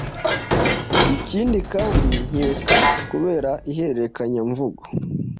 Ikindi kandi nkeka kubera iherekanyamvugo